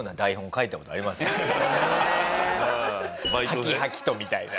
「ハキハキと」みたいな。